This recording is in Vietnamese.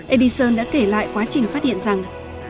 edison đã kể lại quá trình phát hiện rằng